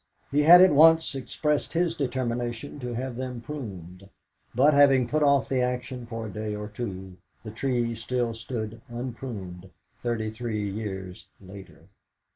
He had at once expressed his determination to have them pruned; but, having put off the action for a day or two, the trees still stood unpruned thirty three years later.